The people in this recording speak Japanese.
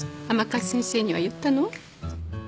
甘春先生には言ったの？